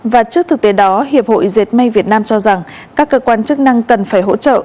và trước thực tế đó hiệp hội diệt may việt nam cho rằng các cơ quan chức năng cần phải hỗ trợ